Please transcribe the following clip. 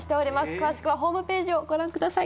詳しくはホームページをご覧ください